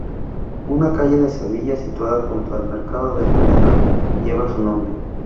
Una calle de Sevilla situada junto al Mercado del Arenal lleva su nombre.